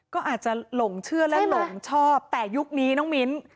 ก็อาจจะหลงเชื่อและหลงชอบแต่ยุคนี้น้องมิ้น